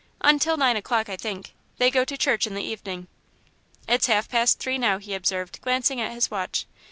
"Until nine o'clock, I think. They go to church in the evening." "It's half past three now," he observed, glancing at his watch.